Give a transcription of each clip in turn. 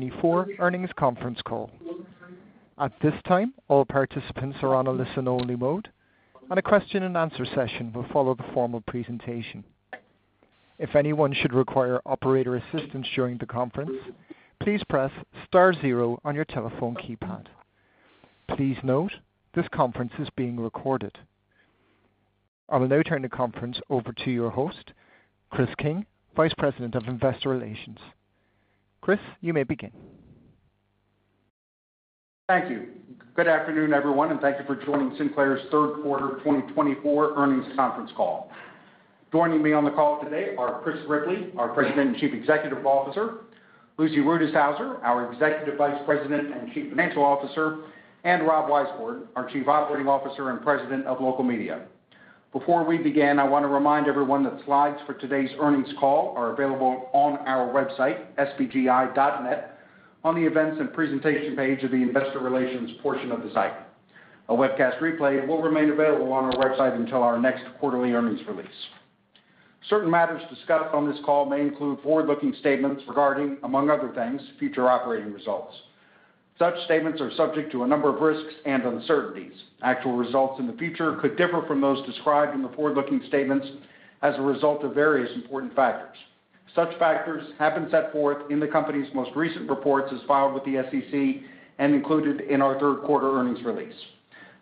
2024 earnings conference call. At this time, all participants are on a listen-only mode, and a question-and-answer session will follow the formal presentation. If anyone should require operator assistance during the conference, please press Star zero on your telephone keypad. Please note this conference is being recorded. I will now turn the conference over to your host, Chris King, Vice President of Investor Relations. Chris, you may begin. Thank you. Good afternoon, everyone, and thank you for joining Sinclair's Third Quarter 2024 earnings conference call. Joining me on the call today are Chris Ripley, our President and Chief Executive Officer, Lucy Rutishauser, our Executive Vice President and Chief Financial Officer, and Rob Weisbord, our Chief Operating Officer and President of Local Media. Before we begin, I want to remind everyone that slides for today's earnings call are available on our website, sbgi.net, on the Events and Presentations page of the Investor Relations portion of the site. A webcast replay will remain available on our website until our next quarterly earnings release. Certain matters discussed on this call may include forward-looking statements regarding, among other things, future operating results. Such statements are subject to a number of risks and uncertainties. Actual results in the future could differ from those described in the forward-looking statements as a result of various important factors. Such factors have been set forth in the company's most recent reports as filed with the SEC and included in our third quarter earnings release.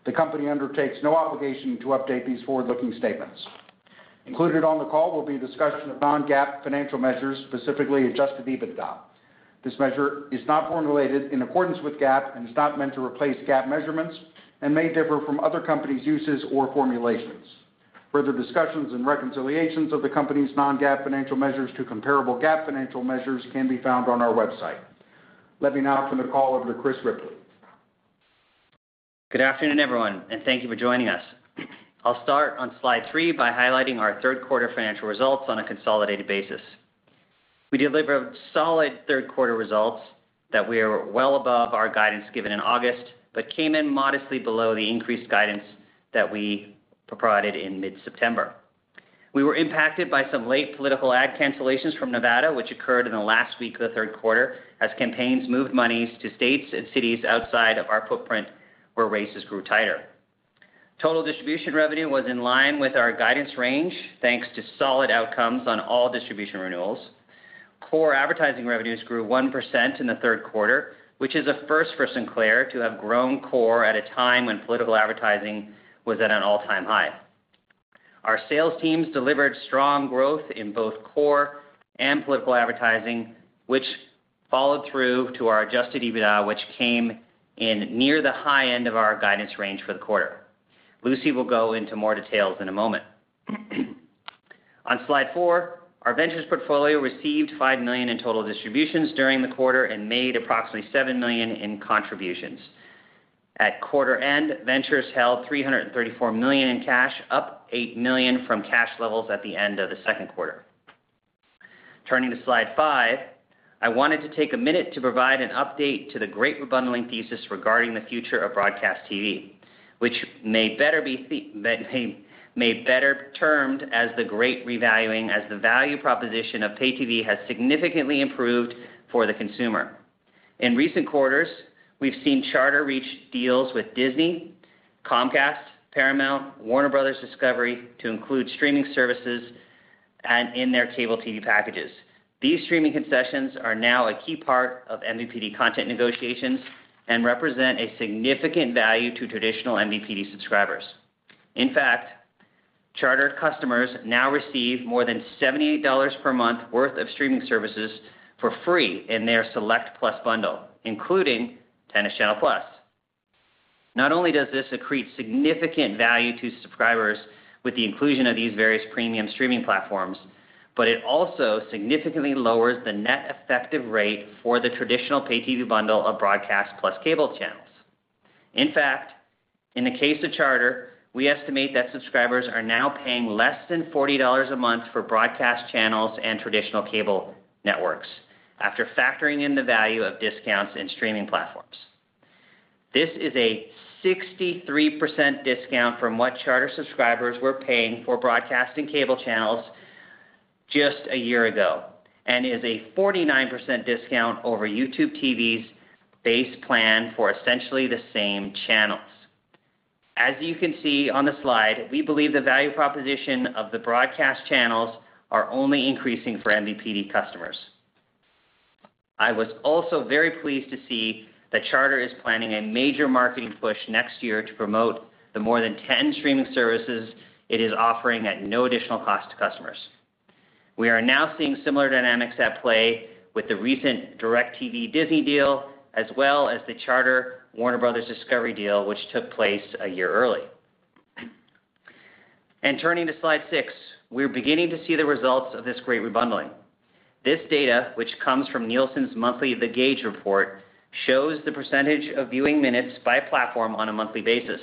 The company undertakes no obligation to update these forward-looking statements. Included on the call will be a discussion of non-GAAP financial measures, specifically adjusted EBITDA. This measure is not formulated in accordance with GAAP and is not meant to replace GAAP measurements and may differ from other companies' uses or formulations. Further discussions and reconciliations of the company's non-GAAP financial measures to comparable GAAP financial measures can be found on our website. Let me now turn the call over to Chris Ripley. Good afternoon, everyone, and thank you for joining us. I'll start on slide three by highlighting our third quarter financial results on a consolidated basis. We delivered solid third quarter results that were well above our guidance given in August but came in modestly below the increased guidance that we provided in mid-September. We were impacted by some late political ad cancellations from Nevada, which occurred in the last week of the third quarter as campaigns moved monies to states and cities outside of our footprint where races grew tighter. Total distribution revenue was in line with our guidance range, thanks to solid outcomes on all distribution renewals. Core advertising revenues grew 1% in the third quarter, which is a first for Sinclair to have grown core at a time when political advertising was at an all-time high. Our sales teams delivered strong growth in both core and political advertising, which followed through to our Adjusted EBITDA, which came in near the high end of our guidance range for the quarter. Lucy will go into more details in a moment. On slide four, our Ventures portfolio received $5 million in total distributions during the quarter and made approximately $7 million in contributions. At quarter end, Ventures held $334 million in cash, up $8 million from cash levels at the end of the second quarter. Turning to slide five, I wanted to take a minute to provide an update to the great rebundling thesis regarding the future of broadcast TV, which may be better termed as the great revaluing, as the value proposition of pay TV has significantly improved for the consumer. In recent quarters, we've seen Charter reach deals with Disney, Comcast, Paramount, Warner Bros. Discovery to include streaming services and in their cable TV packages. These streaming concessions are now a key part of MVPD content negotiations and represent a significant value to traditional MVPD subscribers. In fact, Charter's customers now receive more than $78 per month worth of streaming services for free in their Select Plus bundle, including Tennis Channel Plus. Not only does this accrete significant value to subscribers with the inclusion of these various premium streaming platforms, but it also significantly lowers the net effective rate for the traditional pay TV bundle of broadcast plus cable channels. In fact, in the case of Charter, we estimate that subscribers are now paying less than $40 a month for broadcast channels and traditional cable networks after factoring in the value of discounts in streaming platforms. This is a 63% discount from what Charter subscribers were paying for broadcasting cable channels just a year ago and is a 49% discount over YouTube TV's base plan for essentially the same channels. As you can see on the slide, we believe the value proposition of the broadcast channels is only increasing for MVPD customers. I was also very pleased to see that Charter is planning a major marketing push next year to promote the more than 10 streaming services it is offering at no additional cost to customers. We are now seeing similar dynamics at play with the recent DIRECTV Disney deal as well as the Charter Warner Bros. Discovery deal, which took place a year early, and turning to slide six, we're beginning to see the results of this great rebundling. This data, which comes from Nielsen's monthly The Gauge report, shows the percentage of viewing minutes by platform on a monthly basis.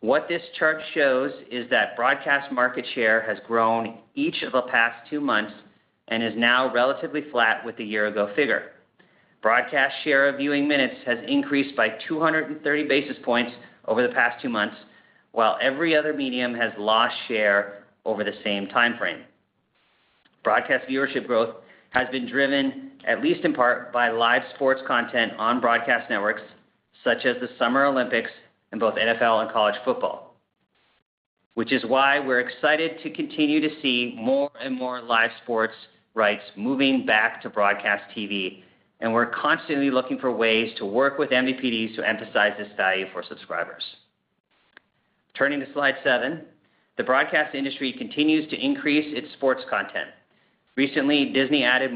What this chart shows is that broadcast market share has grown each of the past two months and is now relatively flat with the year-ago figure. Broadcast share of viewing minutes has increased by 230 basis points over the past two months, while every other medium has lost share over the same timeframe. Broadcast viewership growth has been driven, at least in part, by live sports content on broadcast networks such as the Summer Olympics and both NFL and college football, which is why we're excited to continue to see more and more live sports rights moving back to broadcast TV, and we're constantly looking for ways to work with MVPDs to emphasize this value for subscribers. Turning to slide seven, the broadcast industry continues to increase its sports content. Recently, Disney added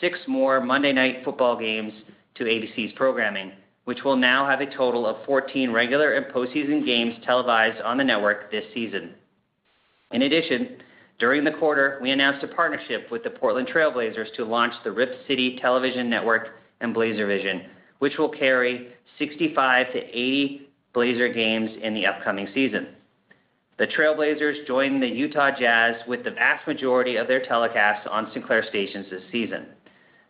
six more Monday Night Football games to ABC's programming, which will now have a total of 14 regular and postseason games televised on the network this season. In addition, during the quarter, we announced a partnership with the Portland Trail Blazers to launch the Rip City Television Network and BlazerVision, which will carry 65 - 80 Blazers games in the upcoming season. The Trail Blazers join the Utah Jazz with the vast majority of their telecasts on Sinclair stations this season.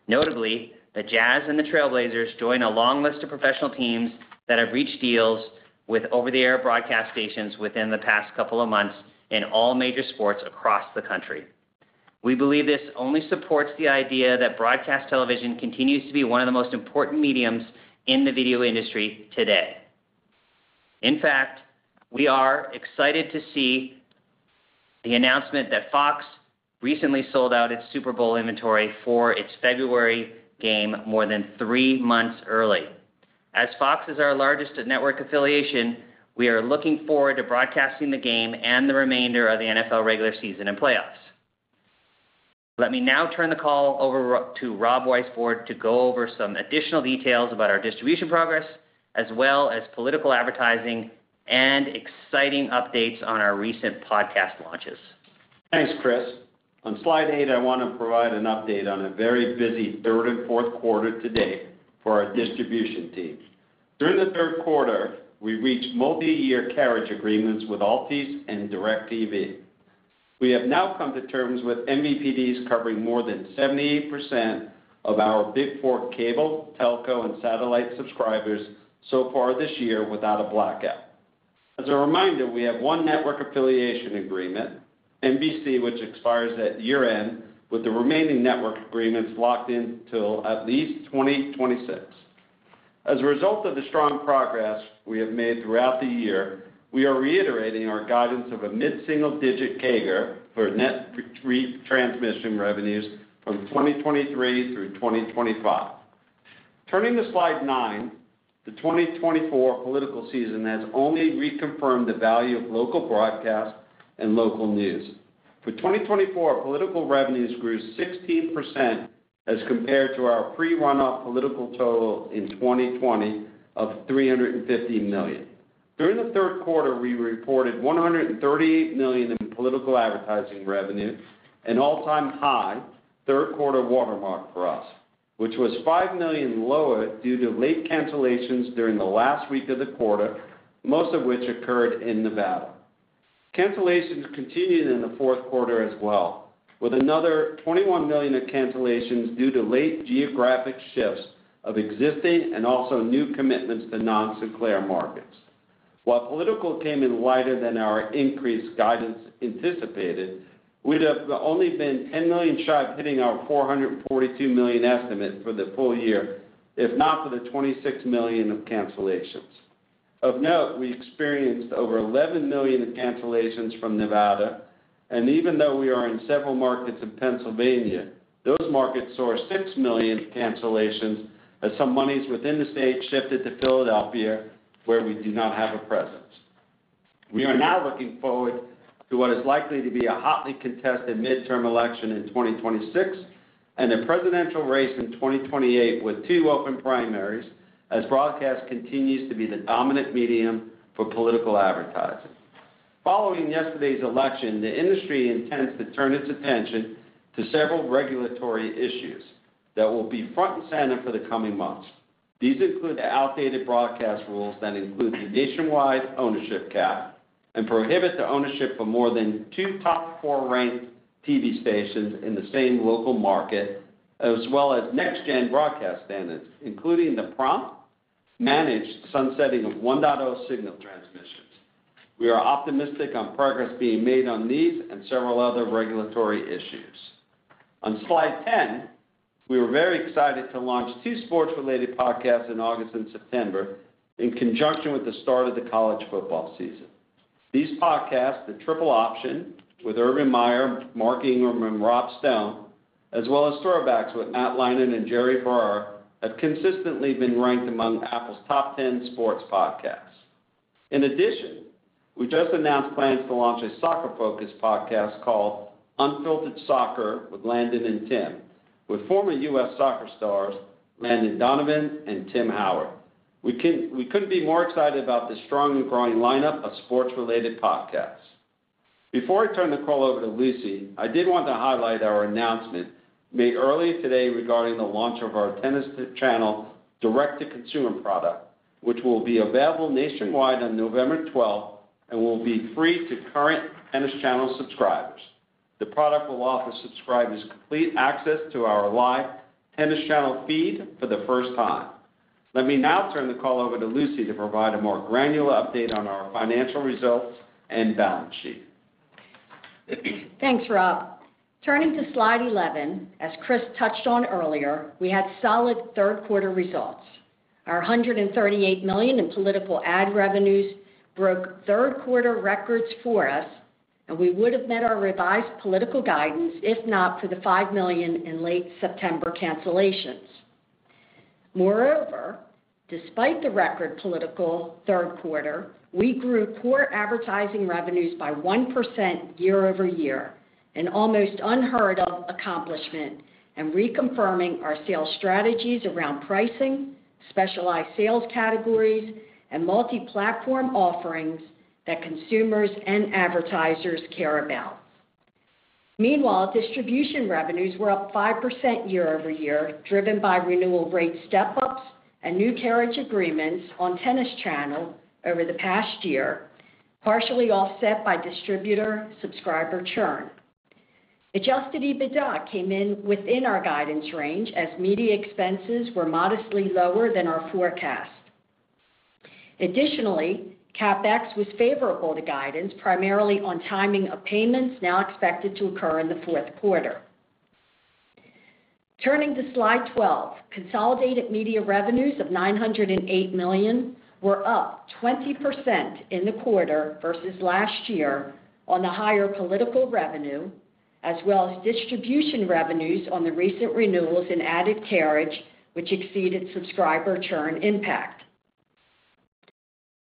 Notably, the Jazz and the Trail Blazers join a long list of professional teams that have reached deals with over-the-air broadcast stations within the past couple of months in all major sports across the country. We believe this only supports the idea that broadcast television continues to be one of the most important mediums in the video industry today. In fact, we are excited to see the announcement that Fox recently sold out its Super Bowl inventory for its February game more than three months early. As Fox is our largest network affiliation, we are looking forward to broadcasting the game and the remainder of the NFL regular season and playoffs. Let me now turn the call over to Rob Weisbord to go over some additional details about our distribution progress, as well as political advertising and exciting updates on our recent podcast launches. Thanks, Chris. On slide eight, I want to provide an update on a very busy third and fourth quarter today for our distribution team. During the third quarter, we reached multi-year carriage agreements with Altice and DIRECTV. We have now come to terms with MVPDs covering more than 78% of our Big Four cable, telco, and satellite subscribers so far this year without a blackout. As a reminder, we have one network affiliation agreement, NBC, which expires at year-end, with the remaining network agreements locked in till at least 2026. As a result of the strong progress we have made throughout the year, we are reiterating our guidance of a mid-single-digit CAGR for net retransmission revenues from 2023 through 2025. Turning to slide nine, the 2024 political season has only reconfirmed the value of local broadcast and local news. For 2024, political revenues grew 16% as compared to our pre-runoff political total in 2020 of $350 million. During the third quarter, we reported $138 million in political advertising revenue, an all-time high third quarter watermark for us, which was $5 million lower due to late cancellations during the last week of the quarter, most of which occurred in Nevada. Cancellations continued in the fourth quarter as well, with another $21 million cancellations due to late geographic shifts of existing and also new commitments to non-Sinclair markets. While political came in lighter than our increased guidance anticipated, we'd have only been $10 million shy of hitting our $442 million estimate for the full year, if not for the $26 million of cancellations. Of note, we experienced over 11 million cancellations from Nevada, and even though we are in several markets in Pennsylvania, those markets saw six million cancellations as some monies within the state shifted to Philadelphia, where we do not have a presence. We are now looking forward to what is likely to be a hotly contested midterm election in 2026 and a presidential race in 2028 with two open primaries as broadcast continues to be the dominant medium for political advertising. Following yesterday's election, the industry intends to turn its attention to several regulatory issues that will be front and center for the coming months. These include the outdated broadcast rules that include the nationwide ownership cap and prohibit the ownership of more than two top four-ranked TV stations in the same local market, as well as NextGen broadcast standards, including the prompt managed sunsetting of 1.0 signal transmissions. We are optimistic on progress being made on these and several other regulatory issues. On slide 10, we were very excited to launch two sports-related podcasts in August and September in conjunction with the start of the college football season. These podcasts, The Triple Option with Urban Meyer, Mark Ingram, and Rob Stone, as well as Throwbacks with Matt Leinart and Jerry Ferrara, have consistently been ranked among Apple's top 10 sports podcasts. In addition, we just announced plans to launch a soccer-focused podcast called Unfiltered Soccer with Landon and Tim, with former U.S. soccer stars Landon Donovan and Tim Howard. We couldn't be more excited about this strong and growing lineup of sports-related podcasts. Before I turn the call over to Lucy, I did want to highlight our announcement made earlier today regarding the launch of our Tennis Channel direct-to-consumer product, which will be available nationwide on November 12th and will be free to current Tennis Channel subscribers. The product will offer subscribers complete access to our live Tennis Channel feed for the first time. Let me now turn the call over to Lucy to provide a more granular update on our financial results and balance sheet. Thanks, Rob. Turning to slide 11, as Chris touched on earlier, we had solid third quarter results. Our $138 million in political ad revenues broke third quarter records for us, and we would have met our revised political guidance if not for the $5 million in late September cancellations. Moreover, despite the record political third quarter, we grew core advertising revenues by 1% year over year, an almost unheard-of accomplishment and reconfirming our sales strategies around pricing, specialized sales categories, and multi-platform offerings that consumers and advertisers care about. Meanwhile, distribution revenues were up 5% year over year, driven by renewal rate step-ups and new carriage agreements on Tennis Channel over the past year, partially offset by distributor subscriber churn. Adjusted EBITDA came in within our guidance range as media expenses were modestly lower than our forecast. Additionally, CapEx was favorable to guidance, primarily on timing of payments now expected to occur in the fourth quarter. Turning to slide 12, consolidated media revenues of $908 million were up 20% in the quarter versus last year on the higher political revenue, as well as distribution revenues on the recent renewals and added carriage, which exceeded subscriber churn impact.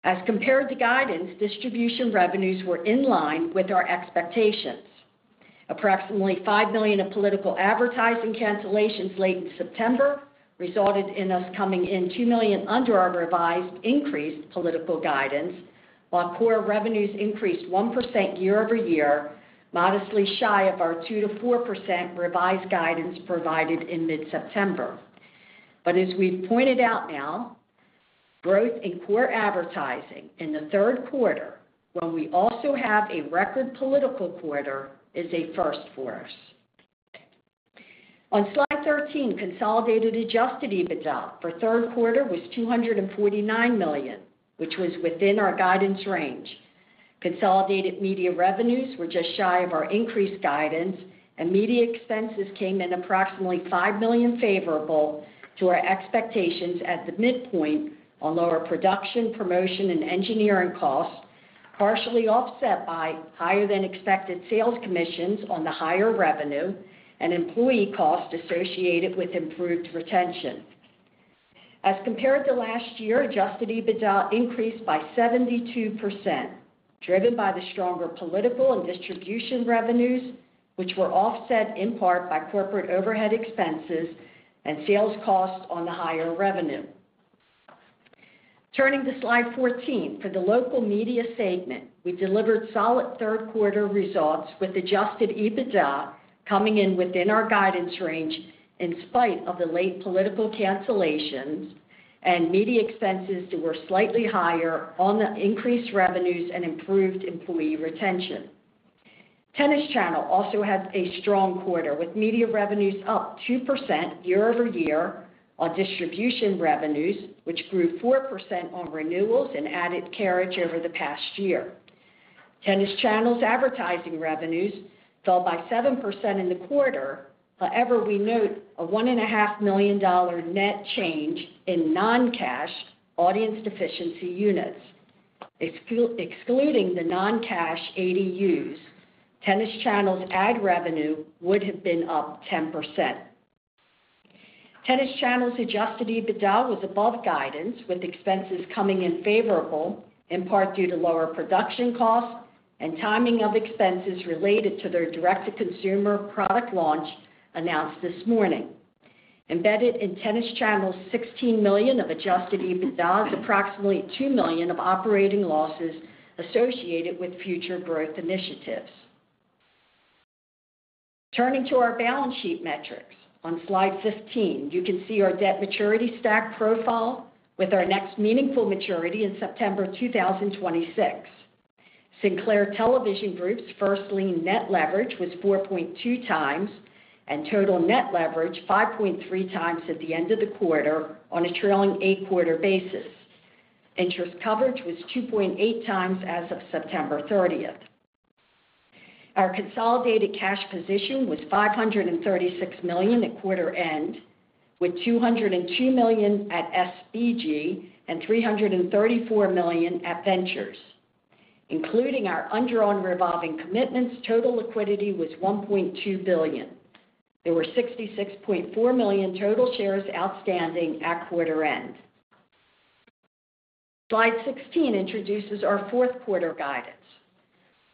As compared to guidance, distribution revenues were in line with our expectations. Approximately $5 million of political advertising cancellations late in September resulted in us coming in $2 million under our revised increased political guidance, while core revenues increased 1% year over year, modestly shy of our 2%-4% revised guidance provided in mid-September. But as we've pointed out now, growth in core advertising in the third quarter, when we also have a record political quarter, is a first for us. On slide 13, consolidated Adjusted EBITDA for third quarter was $249 million, which was within our guidance range. Consolidated media revenues were just shy of our increased guidance, and media expenses came in approximately $5 million favorable to our expectations at the midpoint on lower production, promotion, and engineering costs, partially offset by higher-than-expected sales commissions on the higher revenue and employee costs associated with improved retention. As compared to last year, Adjusted EBITDA increased by 72%, driven by the stronger political and distribution revenues, which were offset in part by corporate overhead expenses and sales costs on the higher revenue. Turning to slide 14, for the local media segment, we delivered solid third quarter results with Adjusted EBITDA coming in within our guidance range in spite of the late political cancellations and media expenses that were slightly higher on the increased revenues and improved employee retention. Tennis Channel also had a strong quarter with media revenues up 2% year over year on distribution revenues, which grew 4% on renewals and added carriage over the past year. Tennis Channel's advertising revenues fell by 7% in the quarter, however, we note a $1.5 million net change in non-cash audience deficiency units. Excluding the non-cash ADUs, Tennis Channel's ad revenue would have been up 10%. Tennis Channel's adjusted EBITDA was above guidance, with expenses coming in favorable, in part due to lower production costs and timing of expenses related to their direct-to-consumer product launch announced this morning. Embedded in Tennis Channel's $16 million of adjusted EBITDA is approximately $2 million of operating losses associated with future growth initiatives. Turning to our balance sheet metrics, on slide 15, you can see our debt maturity stack profile with our next meaningful maturity in September 2026. Sinclair Television Group's first-lien net leverage was 4.2x and total net leverage 5.3x at the end of the quarter on a trailing eight-quarter basis. Interest coverage was 2.8 x as of September 30th. Our consolidated cash position was $536 million at quarter end, with $202 million at SBG and $334 million at Ventures. Including our undrawn revolving commitments, total liquidity was $1.2 billion. There were 66.4 million total shares outstanding at quarter end. Slide 16 introduces our fourth quarter guidance.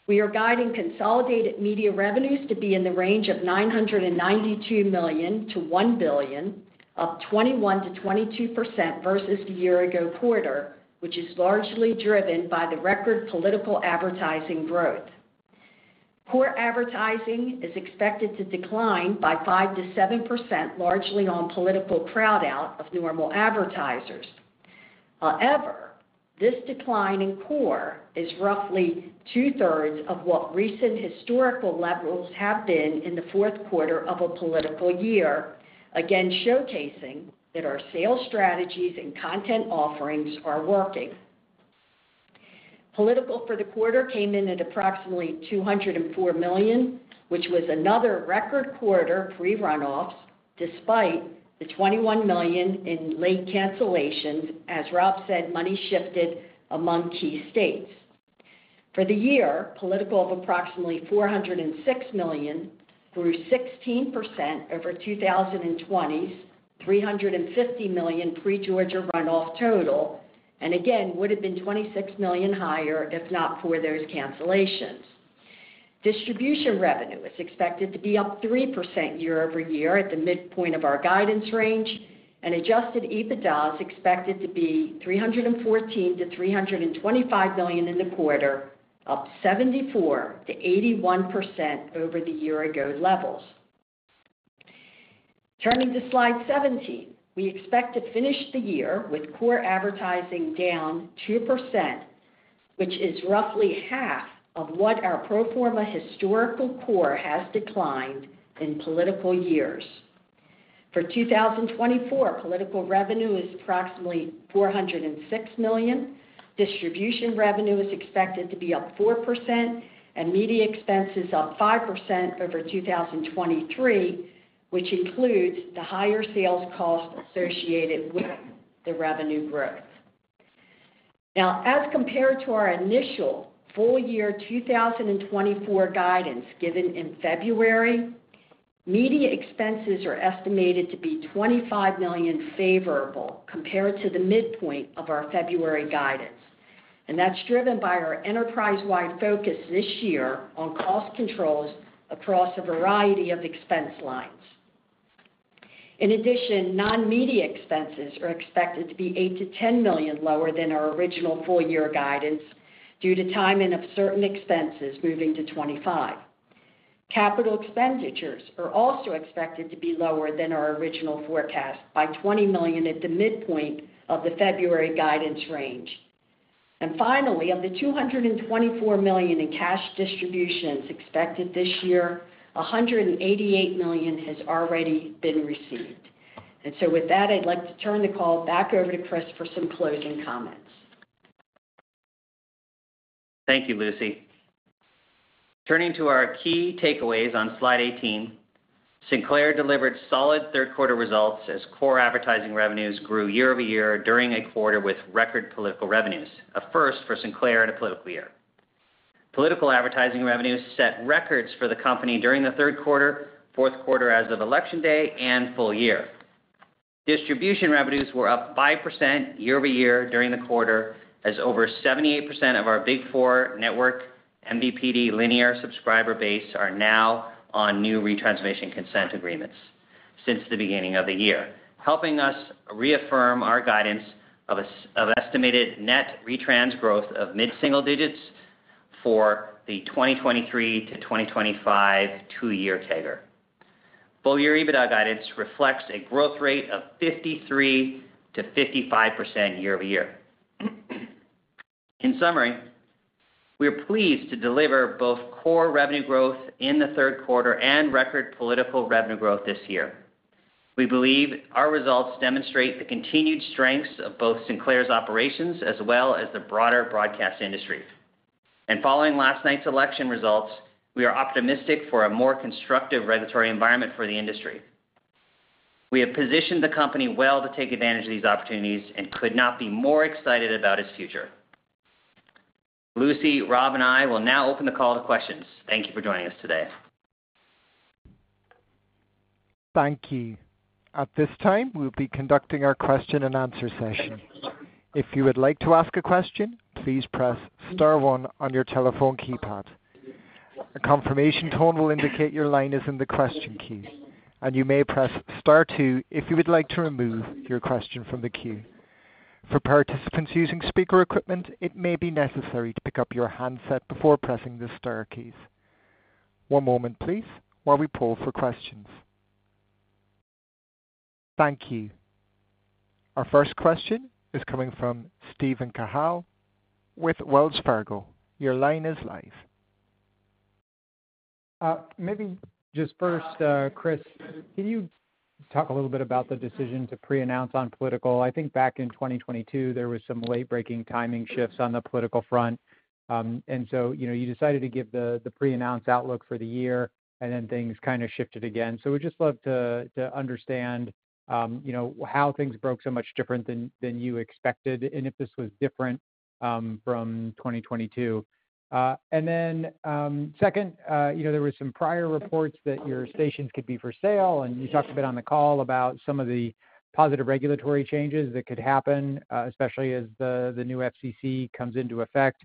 We are guiding consolidated media revenues to be in the range of $992 million-$1 billion, up 21%-22% versus the year-ago quarter, which is largely driven by the record political advertising growth. Core advertising is expected to decline by 5%-7%, largely on political crowd-out of normal advertisers. However, this decline in core is roughly two-thirds of what recent historical levels have been in the fourth quarter of a political year, again showcasing that our sales strategies and content offerings are working. Political for the quarter came in at approximately $204 million, which was another record quarter pre-runoffs, despite the $21 million in late cancellations, as Rob said, money shifted among key states. For the year, political of approximately $406 million grew 16% over 2020's $350 million pre-Georgia runoff total, and again, would have been $26 million higher if not for those cancellations. Distribution revenue is expected to be up 3% year over year at the midpoint of our guidance range, and Adjusted EBITDA is expected to be $314 million-$325 million in the quarter, up 74%-81% over the year-ago levels. Turning to slide 17, we expect to finish the year with core advertising down 2%, which is roughly half of what our pro forma historical core has declined in political years. For 2024, political revenue is approximately $406 million. Distribution revenue is expected to be up 4% and media expenses up 5% over 2023, which includes the higher sales costs associated with the revenue growth. Now, as compared to our initial full year 2024 guidance given in February, media expenses are estimated to be $25 million favorable compared to the midpoint of our February guidance, and that's driven by our enterprise-wide focus this year on cost controls across a variety of expense lines. In addition, non-media expenses are expected to be $8-$10 million lower than our original full year guidance due to timing of certain expenses moving to 2025. Capital expenditures are also expected to be lower than our original forecast by $20 million at the midpoint of the February guidance range. And finally, of the $224 million in cash distributions expected this year, $188 million has already been received. And so with that, I'd like to turn the call back over to Chris for some closing comments. Thank you, Lucy. Turning to our key takeaways on slide 18, Sinclair delivered solid third-quarter results as core advertising revenues grew year over year during a quarter with record political revenues, a first for Sinclair in a political year. Political advertising revenues set records for the company during the third quarter, fourth quarter as of election day, and full year. Distribution revenues were up 5% year over year during the quarter as over 78% of our Big Four network MVPD linear subscriber base are now on new retransmission consent agreements since the beginning of the year, helping us reaffirm our guidance of estimated net retrans growth of mid-single digits for the 2023 - 2025 two-year CAGR. Full year EBITDA guidance reflects a growth rate of 53%-55% year over year. In summary, we are pleased to deliver both core revenue growth in the third quarter and record political revenue growth this year. We believe our results demonstrate the continued strengths of both Sinclair's operations as well as the broader broadcast industry, and following last night's election results, we are optimistic for a more constructive regulatory environment for the industry. We have positioned the company well to take advantage of these opportunities and could not be more excited about its future. Lucy, Rob, and I will now open the call to questions. Thank you for joining us today. Thank you. At this time, we'll be conducting our question and answer session. If you would like to ask a question, please press Star one on your telephone keypad. A confirmation tone will indicate your line is in the question queue, and you may press Star two if you would like to remove your question from the queue. For participants using speaker equipment, it may be necessary to pick up your handset before pressing the Star keys. One moment, please, while we poll for questions. Thank you. Our first question is coming from Steven Cahall with Wells Fargo. Your line is live. Maybe just first, Chris, can you talk a little bit about the decision to pre-announce on political? I think back in 2022, there were some late-breaking timing shifts on the political front, and so you decided to give the pre-announced outlook for the year, and then things kind of shifted again. So we'd just love to understand how things broke so much different than you expected and if this was different from 2022. And then second, there were some prior reports that your stations could be for sale, and you talked a bit on the call about some of the positive regulatory changes that could happen, especially as the new FCC comes into effect.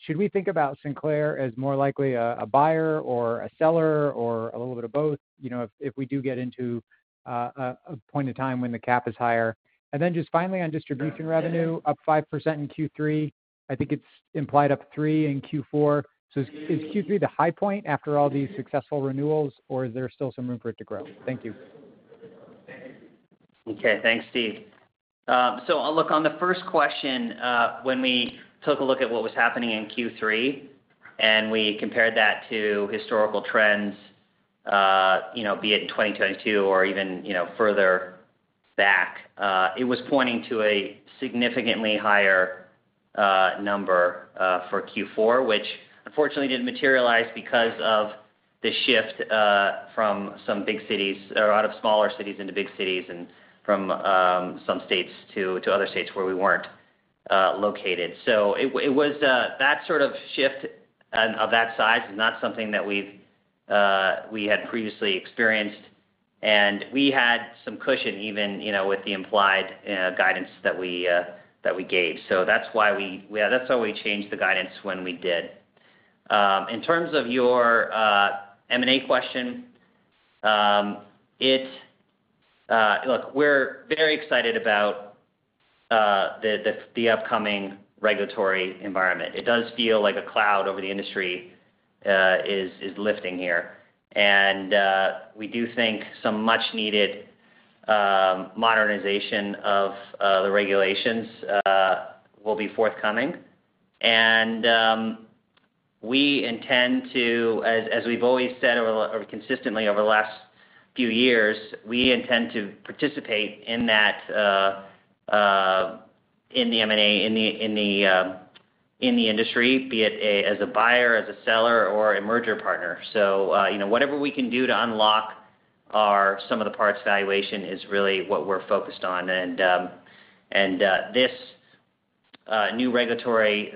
Should we think about Sinclair as more likely a buyer or a seller or a little bit of both if we do get into a point in time when the cap is higher? And then just finally on distribution revenue, up 5% in Q3. I think it's implied up 3 in Q4. So is Q3 the high point after all these successful renewals, or is there still some room for it to grow? Thank you. Okay. Thanks, Steve. So look, on the first question, when we took a look at what was happening in Q3 and we compared that to historical trends, be it in 2022 or even further back, it was pointing to a significantly higher number for Q4, which unfortunately didn't materialize because of the shift from some big cities or out of smaller cities into big cities and from some states to other states where we weren't located. So that sort of shift of that size is not something that we had previously experienced, and we had some cushion even with the implied guidance that we gave. So that's why we changed the guidance when we did. In terms of your M&A question, look, we're very excited about the upcoming regulatory environment. It does feel like a cloud over the industry is lifting here, and we do think some much-needed modernization of the regulations will be forthcoming. And we intend to, as we've always said consistently over the last few years, we intend to participate in the M&A in the industry, be it as a buyer, as a seller, or a merger partner. So whatever we can do to unlock some of the parts valuation is really what we're focused on, and this new regulatory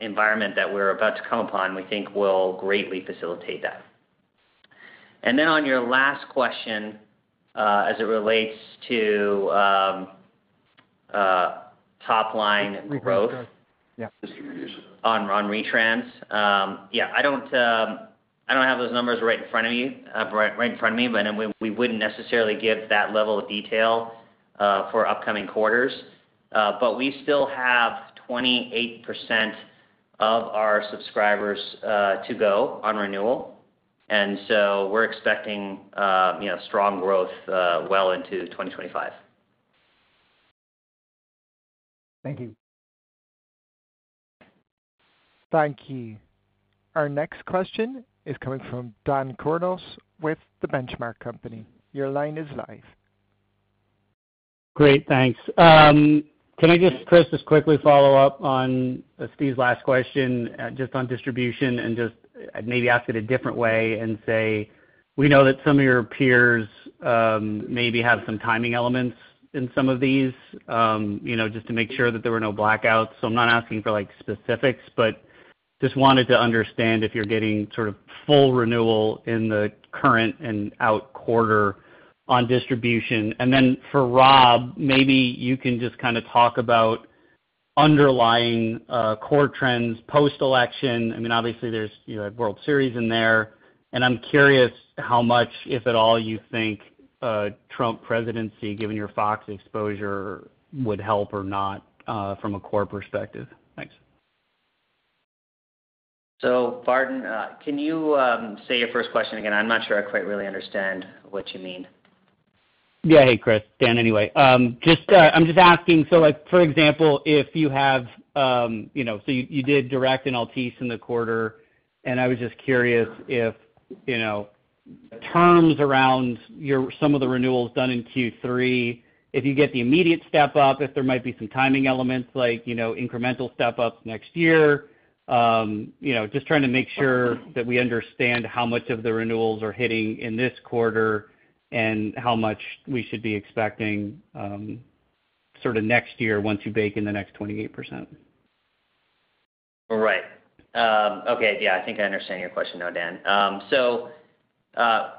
environment that we're about to come upon, we think, will greatly facilitate that. And then on your last question as it relates to top-line growth on retrans, yeah, I don't have those numbers right in front of you, right in front of me, but we wouldn't necessarily give that level of detail for upcoming quarters. But we still have 28% of our subscribers to go on renewal, and so we're expecting strong growth well into 2025. Thank you. Thank you. Our next question is coming from Dan Kurnos with The Benchmark Company. Your line is live. Great. Thanks. Can I just, Chris, just quickly follow up on Steve's last question just on distribution and just maybe ask it a different way and say we know that some of your peers maybe have some timing elements in some of these just to make sure that there were no blackouts. So I'm not asking for specifics, but just wanted to understand if you're getting sort of full renewal in the current and next quarter on distribution. And then for Rob, maybe you can just kind of talk about underlying core trends post-election. I mean, obviously, there's World Series in there, and I'm curious how much, if at all, you think Trump presidency, given your Fox exposure, would help or not from a core perspective. Thanks. Barton, can you say your first question again? I'm not sure I quite really understand what you mean. Yeah. Hey, Chris. Dan, anyway. I'm just asking, so for example, if you have so you did DIRECTV and Altice in the quarter, and I was just curious if the terms around some of the renewals done in Q3, if you get the immediate step-up, if there might be some timing elements like incremental step-ups next year, just trying to make sure that we understand how much of the renewals are hitting in this quarter and how much we should be expecting sort of next year once you bake in the next 28%. Right. Okay. Yeah. I think I understand your question now, Dan. So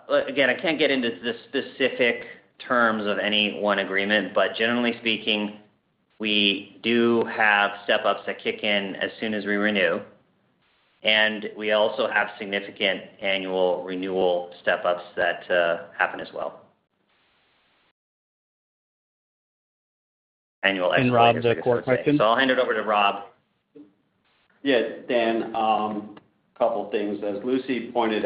again, I can't get into the specific terms of any one agreement, but generally speaking, we do have step-ups that kick in as soon as we renew, and we also have significant annual renewal step-ups that happen as well. Rob, the core question? So I'll hand it over to Rob. Yeah. Dan, a couple of things. As Lucy pointed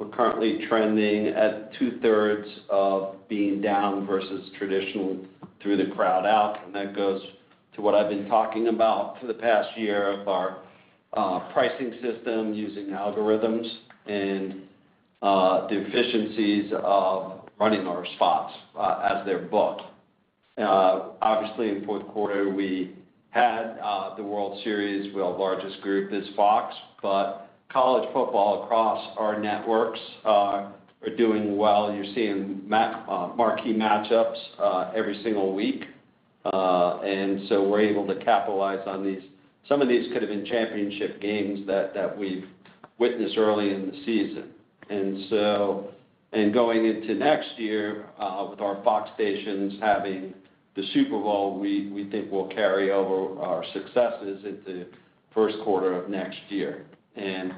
out, we're currently trending at two-thirds of being down versus traditional through the crowd out, and that goes to what I've been talking about for the past year of our pricing system using algorithms and the efficiencies of running our spots as they're booked. Obviously, in fourth quarter, we had the World Series, well, largest group is Fox, but college football across our networks are doing well. You're seeing marquee matchups every single week, and so we're able to capitalize on these. Some of these could have been championship games that we've witnessed early in the season. And going into next year, with our Fox stations having the Super Bowl, we think we'll carry over our successes into first quarter of next year. And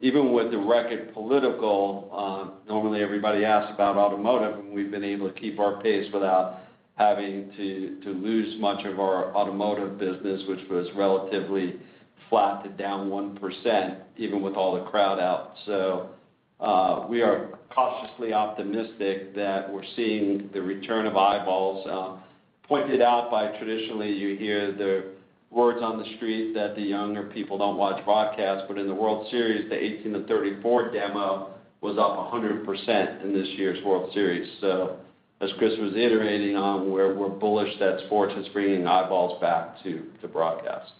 even with the record political, normally everybody asks about automotive, and we've been able to keep our pace without having to lose much of our automotive business, which was relatively flat to down 1% even with all the crowd out. So we are cautiously optimistic that we're seeing the return of eyeballs pointed out. But traditionally, you hear the words on the street that the younger people don't watch broadcast, but in the World Series, the 18-34 demo was up 100% in this year's World Series. So as Chris was iterating on where we're bullish, that's part of it, just bringing eyeballs back to broadcast.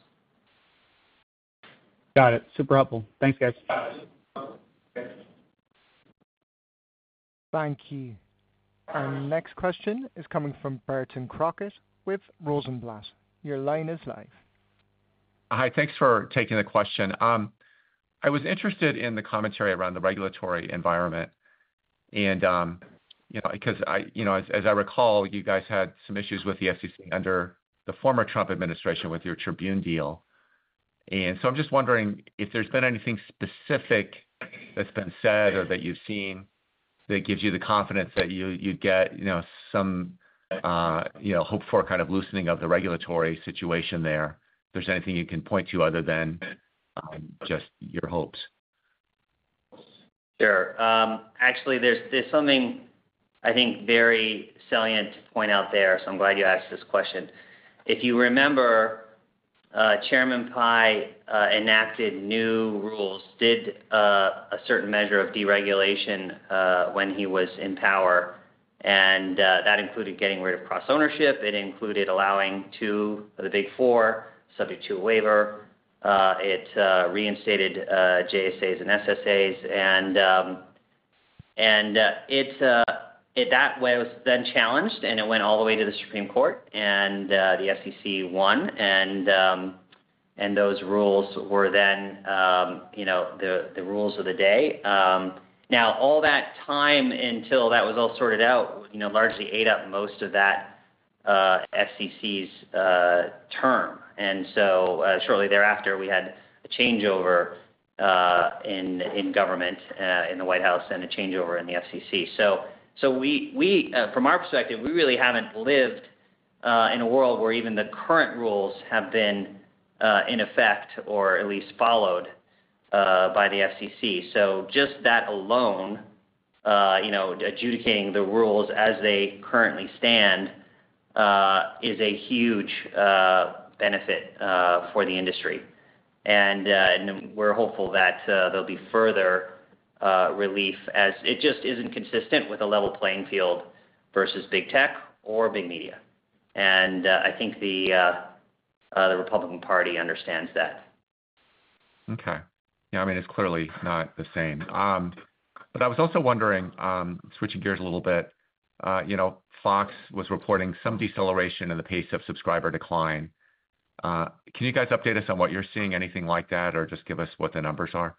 Got it. Super helpful. Thanks, guys. Thank you. Our next question is coming from Barton Crockett with Rosenblatt. Your line is live. Hi. Thanks for taking the question. I was interested in the commentary around the regulatory environment because, as I recall, you guys had some issues with the FCC under the former Trump administration with your Tribune deal. And so I'm just wondering if there's been anything specific that's been said or that you've seen that gives you the confidence that you'd get some hope for kind of loosening of the regulatory situation there. If there's anything you can point to other than just your hopes? Sure. Actually, there's something I think very salient to point out there, so I'm glad you asked this question. If you remember, Chairman Pai enacted new rules, did a certain measure of deregulation when he was in power, and that included getting rid of cross-ownership. It included allowing two of the Big Four subject to a waiver. It reinstated JSAs and SSAs, and that was then challenged, and it went all the way to the Supreme Court, and the FCC won, and those rules were then the rules of the day. Now, all that time until that was all sorted out largely ate up most of that FCC's term. And so shortly thereafter, we had a changeover in government in the White House and a changeover in the FCC. So from our perspective, we really haven't lived in a world where even the current rules have been in effect or at least followed by the FCC. So just that alone, adjudicating the rules as they currently stand, is a huge benefit for the industry, and we're hopeful that there'll be further relief as it just isn't consistent with a level playing field versus big tech or big media. And I think the Republican Party understands that. Okay. Yeah. I mean, it's clearly not the same. But I was also wondering, switching gears a little bit, Fox was reporting some deceleration in the pace of subscriber decline. Can you guys update us on what you're seeing, anything like that, or just give us what the numbers are?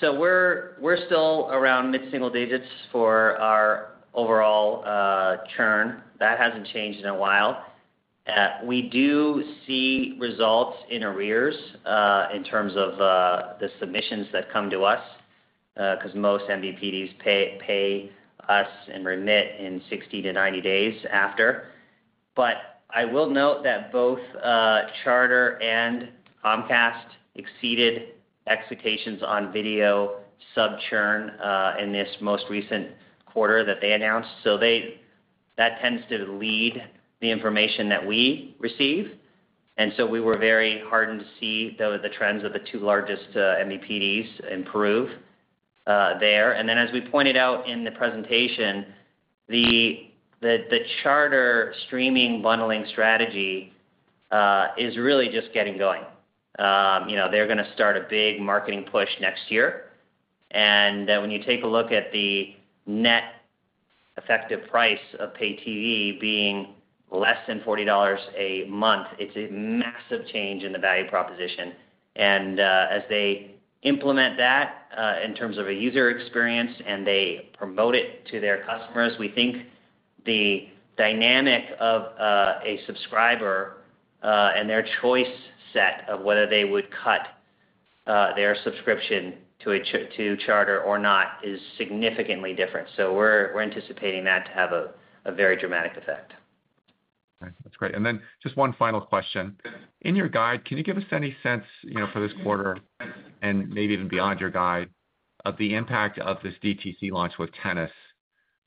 So we're still around mid-single digits for our overall churn. That hasn't changed in a while. We do see results in arrears in terms of the submissions that come to us because most MVPDs pay us and remit in 60-90 days after. But I will note that both Charter and Comcast exceeded expectations on video sub-churn in this most recent quarter that they announced. So that tends to lead the information that we receive, and so we were very heartened to see the trends of the two largest MVPDs improve there. And then, as we pointed out in the presentation, the Charter streaming bundling strategy is really just getting going. They're going to start a big marketing push next year, and when you take a look at the net effective price of pay TV being less than $40 a month, it's a massive change in the value proposition. As they implement that in terms of a user experience and they promote it to their customers, we think the dynamic of a subscriber and their choice set of whether they would cut their subscription to Charter or not is significantly different. We're anticipating that to have a very dramatic effect. That's great. And then just one final question. In your guide, can you give us any sense for this quarter and maybe even beyond your guide of the impact of this DTC launch with Tennis?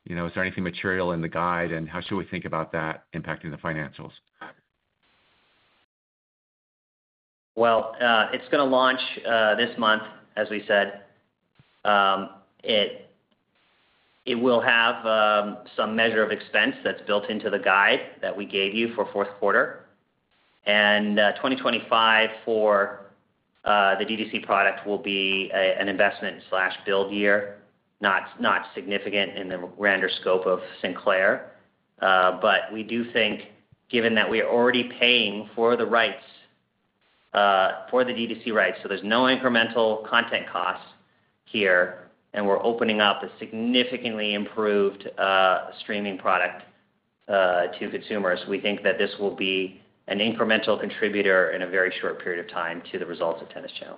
Is there anything material in the guide, and how should we think about that impacting the financials? It's going to launch this month, as we said. It will have some measure of expense that's built into the guide that we gave you for fourth quarter. And 2025 for the DTC product will be an investment/build year, not significant in the grander scope of Sinclair. But we do think, given that we are already paying for the rights for the DTC rights, so there's no incremental content costs here, and we're opening up a significantly improved streaming product to consumers, we think that this will be an incremental contributor in a very short period of time to the results of Tennis Channel.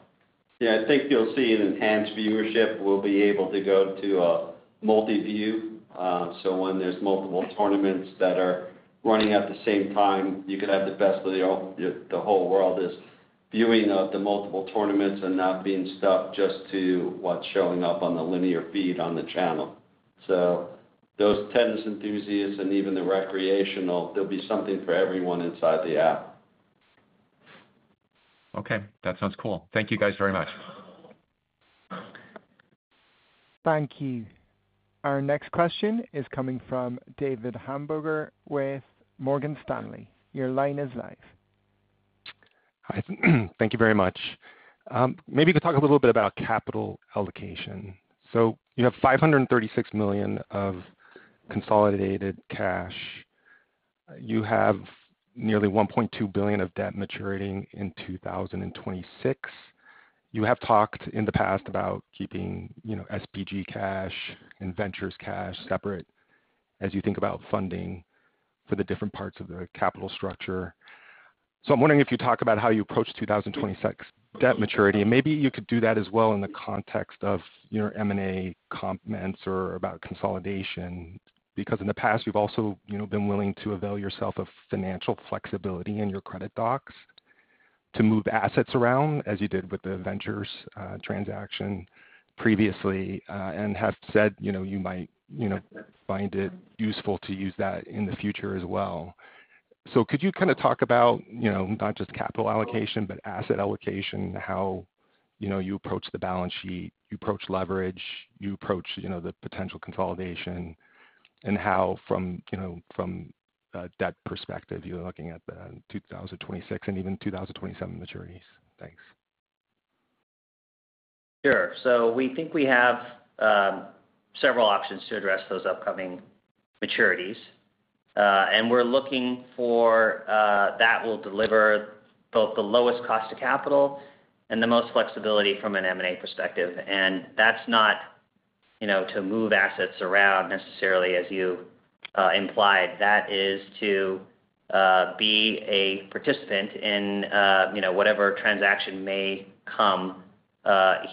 Yeah. I think you'll see an enhanced viewership. We'll be able to go to a multi-view. So when there's multiple tournaments that are running at the same time, you could have the best of the whole world is viewing of the multiple tournaments and not being stuck just to what's showing up on the linear feed on the channel. So those tennis enthusiasts and even the recreational, there'll be something for everyone inside the app. Okay. That sounds cool. Thank you guys very much. Thank you. Our next question is coming from David Hamburger with Morgan Stanley. Your line is live. Hi. Thank you very much. Maybe you could talk a little bit about capital allocation. So you have $536 million of consolidated cash. You have nearly $1.2 billion of debt maturing in 2026. You have talked in the past about keeping SBG cash and ventures cash separate as you think about funding for the different parts of the capital structure. So I'm wondering if you talk about how you approach 2026 debt maturity, and maybe you could do that as well in the context of your M&A comments or about consolidation because in the past, you've also been willing to avail yourself of financial flexibility in your credit docs to move assets around as you did with the ventures transaction previously and have said you might find it useful to use that in the future as well. Could you kind of talk about not just capital allocation, but asset allocation, how you approach the balance sheet, you approach leverage, you approach the potential consolidation, and how from a debt perspective you're looking at the 2026 and even 2027 maturities? Thanks. Sure. So we think we have several options to address those upcoming maturities, and we're looking for that will deliver both the lowest cost of capital and the most flexibility from an M&A perspective. And that's not to move assets around necessarily, as you implied. That is to be a participant in whatever transaction may come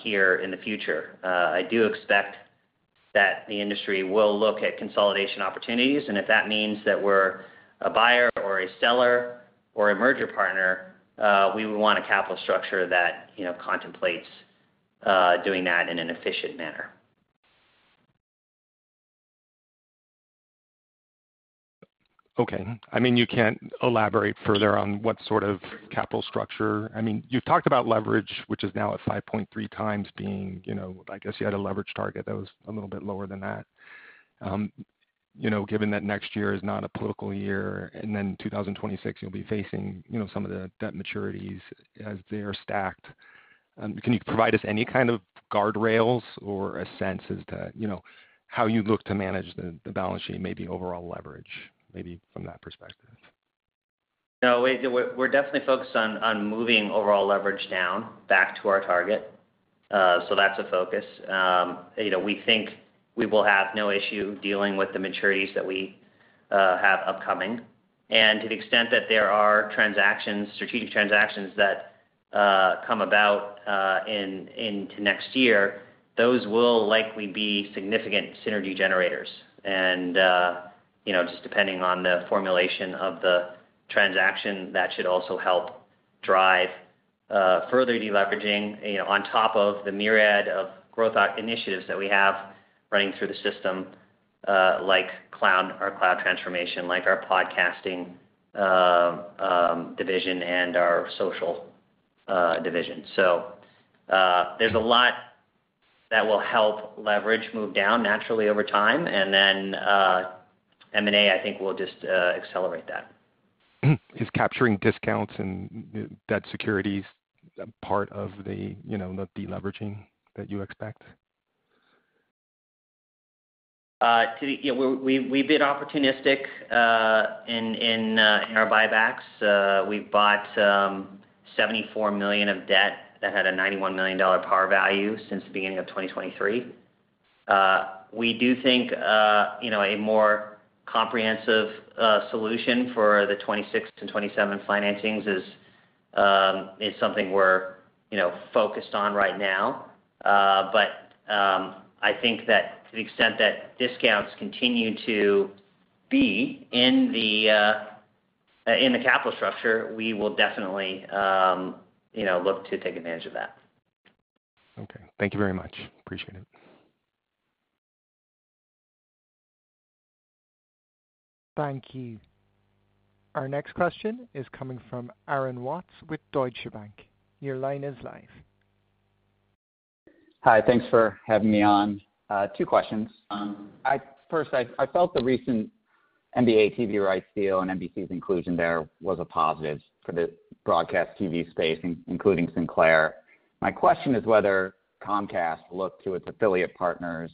here in the future. I do expect that the industry will look at consolidation opportunities, and if that means that we're a buyer or a seller or a merger partner, we would want a capital structure that contemplates doing that in an efficient manner. Okay. I mean, you can't elaborate further on what sort of capital structure. I mean, you've talked about leverage, which is now at 5.3x being I guess you had a leverage target that was a little bit lower than that. Given that next year is not a political year, and then 2026, you'll be facing some of the debt maturities as they are stacked. Can you provide us any kind of guardrails or a sense as to how you look to manage the balance sheet, maybe overall leverage, maybe from that perspective? No. We're definitely focused on moving overall leverage down back to our target. So that's a focus. We think we will have no issue dealing with the maturities that we have upcoming. And to the extent that there are strategic transactions that come about into next year, those will likely be significant synergy generators. And just depending on the formulation of the transaction, that should also help drive further deleveraging on top of the myriad of growth initiatives that we have running through the system, like our cloud transformation, like our podcasting division, and our social division. So there's a lot that will help leverage move down naturally over time, and then M&A, I think, will just accelerate that. Is capturing discounts and debt securities part of the deleveraging that you expect? We've been opportunistic in our buybacks. We've bought $74 million of debt that had a $91 million par value since the beginning of 2023. We do think a more comprehensive solution for the 2026 and 2027 financings is something we're focused on right now. But I think that to the extent that discounts continue to be in the capital structure, we will definitely look to take advantage of that. Okay. Thank you very much. Appreciate it. Thank you. Our next question is coming from Aaron Watts with Deutsche Bank. Your line is live. Hi. Thanks for having me on. Two questions. First, I felt the recent NBA TV rights deal and MVPD's inclusion there was a positive for the broadcast TV space, including Sinclair. My question is whether Comcast looked to its affiliate partners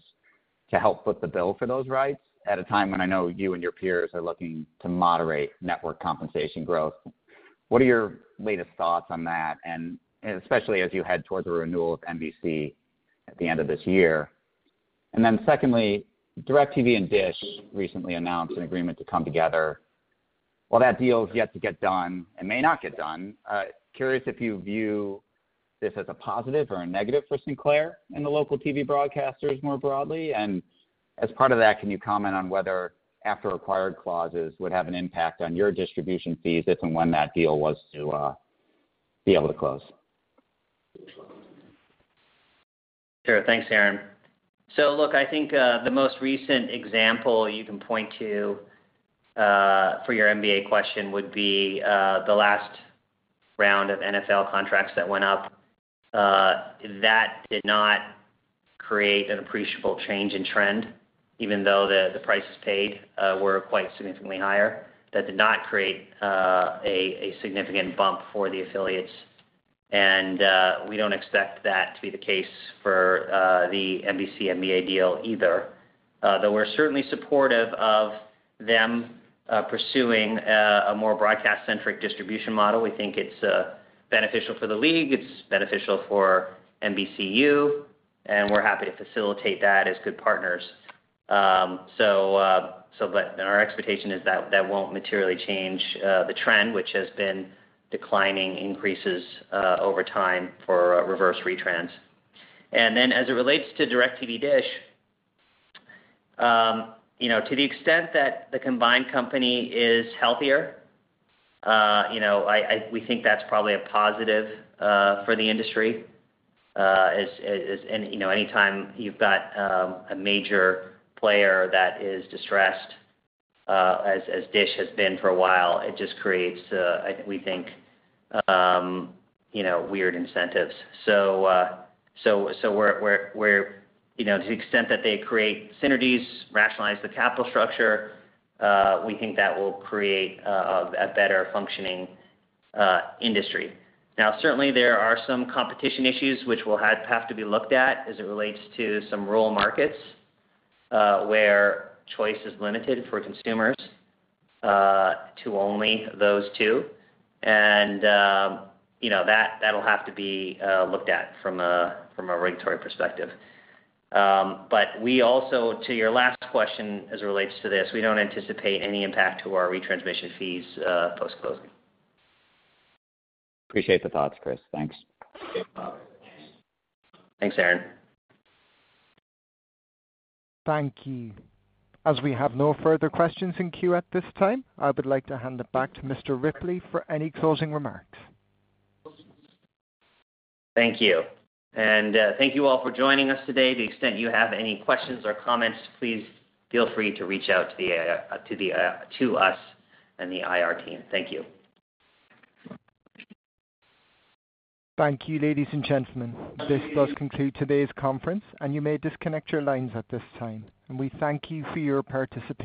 to help foot the bill for those rights at a time when I know you and your peers are looking to moderate network compensation growth. What are your latest thoughts on that, and especially as you head towards a renewal of NBA at the end of this year? And then secondly, DirecTV and Dish recently announced an agreement to come together. While that deal is yet to get done and may not get done, curious if you view this as a positive or a negative for Sinclair and the local TV broadcasters more broadly. As part of that, can you comment on whether after-acquired clauses would have an impact on your distribution fees if and when that deal was to be able to close? Sure. Thanks, Aaron. So, look, I think the most recent example you can point to for your MVPD question would be the last round of NFL contracts that went up. That did not create an appreciable change in trend, even though the prices paid were quite significantly higher. That did not create a significant bump for the affiliates, and we don't expect that to be the case for the NBA MVPD deal either. Though we're certainly supportive of them pursuing a more broadcast-centric distribution model, we think it's beneficial for the league. It's beneficial for the NBA, and we're happy to facilitate that as good partners, but our expectation is that that won't materially change the trend, which has been declining increases over time for reverse retrans. And then as it relates to DIRECTV, Dish, to the extent that the combined company is healthier, we think that's probably a positive for the industry. And anytime you've got a major player that is distressed, as Dish has been for a while, it just creates, we think, weird incentives. So to the extent that they create synergies, rationalize the capital structure, we think that will create a better functioning industry. Now, certainly, there are some competition issues which will have to be looked at as it relates to some rural markets where choice is limited for consumers to only those two. And that'll have to be looked at from a regulatory perspective. But we also, to your last question as it relates to this, we don't anticipate any impact to our retransmission fees post-closing. Appreciate the thoughts, Chris. Thanks. Thanks, Aaron. Thank you. As we have no further questions in queue at this time, I would like to hand it back to Mr. Ripley for any closing remarks. Thank you. And thank you all for joining us today. To the extent you have any questions or comments, please feel free to reach out to us and the IR team. Thank you. Thank you, ladies and gentlemen. This does conclude today's conference, and you may disconnect your lines at this time, and we thank you for your participation.